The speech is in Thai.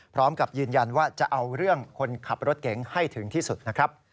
พร้อมกับยืนยันว่าจะเอาเรื่องคนขับรถเก๋งให้ถึงที่สุดนะครับ